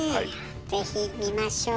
ぜひ見ましょう。